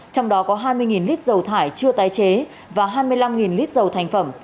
trong đó có hai mươi lít dầu thải chưa tái chế và hai mươi năm lít dầu thành phẩm